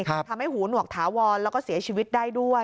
ทำให้หูหนวกถาวรแล้วก็เสียชีวิตได้ด้วย